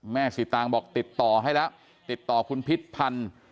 สีตางบอกติดต่อให้แล้วติดต่อคุณพิษพันธ์